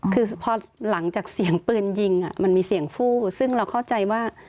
คือพอหลังจากเสียงปืนยิงมันมีเสียงฟู้ซึ่งเราเข้าใจว่า